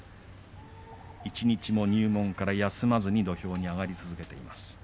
一日も入門から休まずに土俵に上がり続けています。